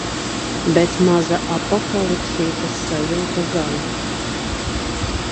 Bet maza apokalipsītes sajūta gan.